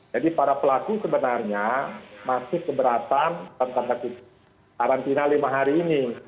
jadi para pelaku sebenarnya masih keberatan tentang karantina lima hari ini